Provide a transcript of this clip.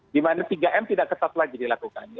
dimana tiga m tidak tetap lagi dilakukan